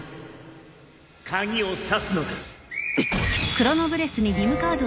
・鍵を挿すのだ。